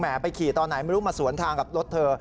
ไปขี่ตอนไหนไม่รู้มาสวนทางกับรถเธอ